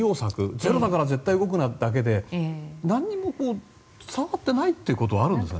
ゼロだから絶対動くなだけで何も伝わってないということはあるんですか。